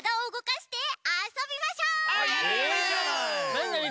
なになに？